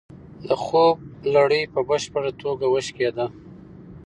د خوب لړۍ په بشپړه توګه وشکېده.